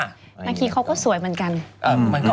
บางทีเขาก็สวยเหมือนกัน